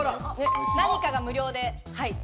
何かが無料で。